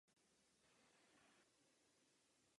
O čtyři roky dříve na olympiádě v Pekingu získal bronz.